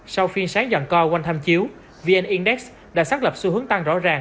sau phiên sáng dọn co quanh tham chiếu vn index đã xác lập xu hướng tăng rõ ràng